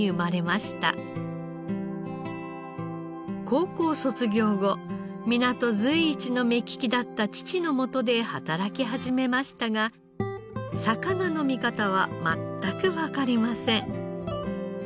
高校卒業後港随一の目利きだった父のもとで働き始めましたが魚の見方は全くわかりません。